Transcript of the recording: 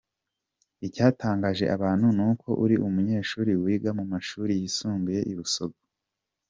Icyatangaje abantu ni uko ari umunyeshuri wiga mu mashuri yisumbuye i Busogo.